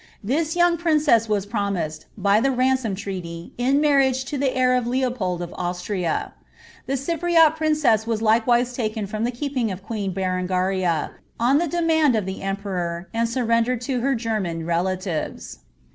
This young princess was promised, by the ransom treaty, in marriage to the heir of Leopold of Austria.' The Cypriot princess was likewise taken from the keeping of queen Berengaria, on the demand of the emperor, and surrendered to her German relatives.